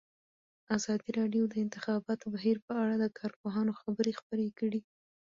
ازادي راډیو د د انتخاباتو بهیر په اړه د کارپوهانو خبرې خپرې کړي.